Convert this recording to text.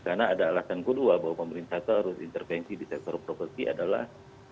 karena ada alasan kedua bahwa pemerintah harus intervensi di sektor properti adalah